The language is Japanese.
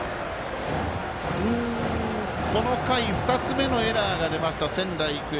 この回２つ目のエラーが出ました仙台育英。